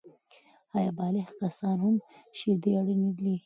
آیا بالغ کسان هم شیدې اړینې دي؟